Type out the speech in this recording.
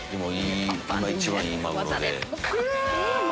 今一番いいマグロ。ク！